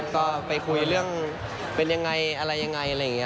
ก็ไปคุยเรื่องเป็นยังไงอะไรยังไงอะไรอย่างนี้